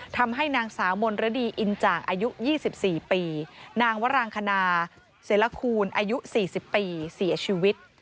ทำให้นางสาวมนฤดีอินจ่างอายุ๒๔ปีนางวรางคณาเสรคูณอายุ๔๐ปีเสียชีวิต